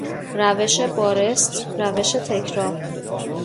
روش بارست، روش تکرار